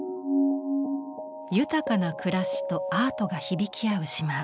豊かな暮らしとアートが響き合う島。